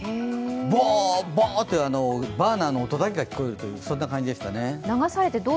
ぼー、ぼーっていうバーナーの音だけが聞こえるそんな感じでしたね。